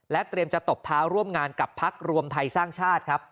เตรียมจะตบเท้าร่วมงานกับพักรวมไทยสร้างชาติครับ